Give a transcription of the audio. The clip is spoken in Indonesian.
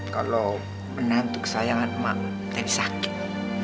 kalau menantu kesayangan emang tadi sakit